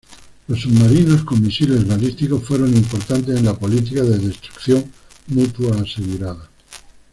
Los submarinos con misiles balísticos fueron importantes en la política de destrucción mutua asegurada.